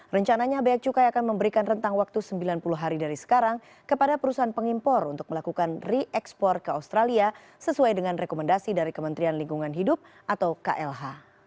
rencananya beacukai akan memberikan rentang waktu sembilan puluh hari dari sekarang kepada perusahaan pengimpor untuk melakukan re export ke australia sesuai dengan rekomendasi dari kementerian lingkungan hidup atau klh